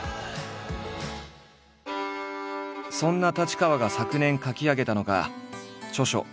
そんな太刀川が昨年書き上げたのが著書